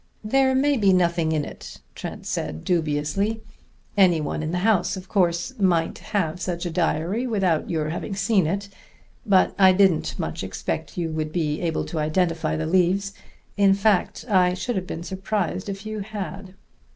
"There may be nothing in it," Trent said dubiously. "Any one in the house, of course, might have such a diary without your having seen it. But I didn't much expect you would be able to identify the leaves in fact, I should have been surprised if you had."